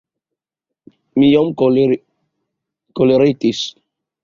Mi iom koleretis!